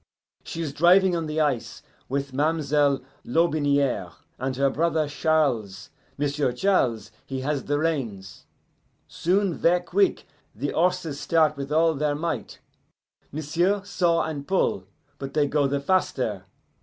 She is driving on the ice with ma'm'selle Lotbiniere and her brother Charles. M'sieu' Charles, he has the reins. Soon, ver' quick, the horses start with all their might. M'sieu' saw and pull, but they go the faster.